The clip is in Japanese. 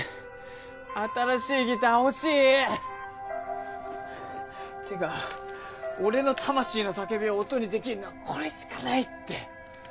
新しいギター欲しい！ってか俺の魂の叫びを音にできるのはこれしかないって！